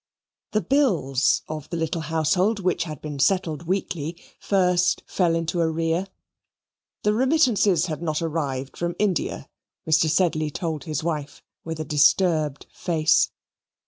The bills of the little household, which had been settled weekly, first fell into arrear. The remittances had not arrived from India, Mr. Sedley told his wife with a disturbed face.